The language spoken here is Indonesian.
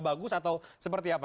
bagus atau seperti apa